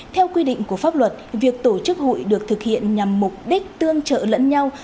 theo quy định của pháp luật việc tổ chức hội được thực hiện nhằm mục đích tương trợ lẫn nhau